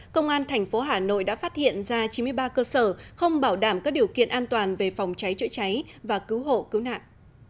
công an thành phố hà nội đã phát hiện ra chín mươi ba cơ sở không bảo đảm các điều kiện an toàn về phòng cháy chữa cháy và cứu hộ cứu nạn